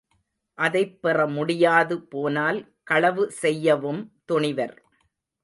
அதைப் பெறமுடியாது போனால் களவு செய்யவும் துணிவர்.